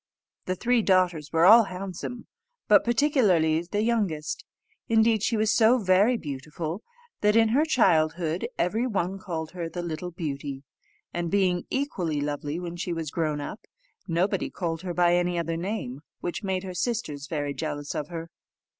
The three daughters were all handsome, but particularly the youngest; indeed, she was so very beautiful, that in her childhood every one called her the Little Beauty; and being equally lovely when she was grown up, nobody called her by any other name, which made her sisters very jealous of her.